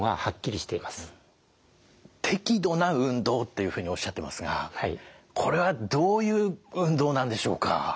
適度な運動っていうふうにおっしゃってますがこれはどういう運動なんでしょうか？